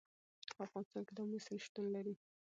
په افغانستان کې د آمو سیند شتون لري.